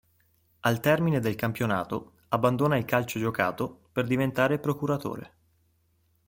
Al termine del campionato abbandona il calcio giocato per diventare procuratore.